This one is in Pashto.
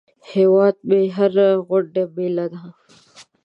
هیواد مې هره غونډۍ مېله ده